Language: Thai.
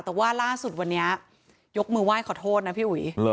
แต่ว่าล่าสุดวันนี้ยกมือไหว้ขอโทษนะพี่อุ๋ย